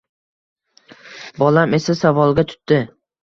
Bolam esa savolga tutdi